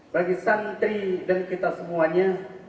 bagi santri dan kita semuanya